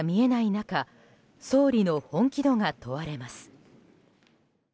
中総理の本気度が問われます。